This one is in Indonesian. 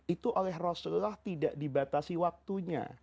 itu oleh rasulullah tidak dibatasi waktunya